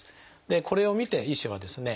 これを見て医師はですね